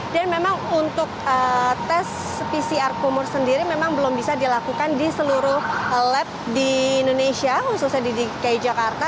dan memang untuk tes pcr kumur sendiri memang belum bisa dilakukan di seluruh lab di indonesia khususnya di dki jakarta